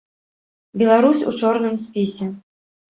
Беларусь у чорным спісе!